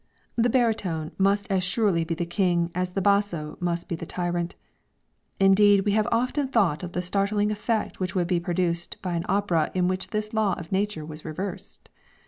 The barytone must as surely be the king as the basso must be the tyrant; indeed we have often thought of the startling effect which would be produced by an opera in which this law of nature was reversed.